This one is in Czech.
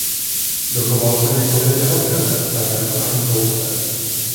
Dochovalo se několik jeho kreseb perem a inkoustem.